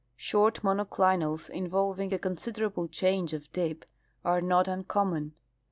Short monoclinals involving a considerable change of dip are not un common.